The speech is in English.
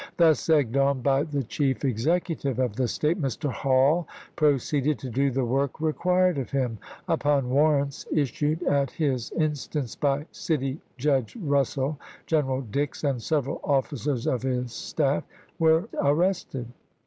Thus egged on by the chief executive of the State, Mr. Hall proceeded to do the work required of him. Upon warrants issued at his in stance by City Judge Eussell, General Dix and juiy i,i864. several officers of his staff were arrested.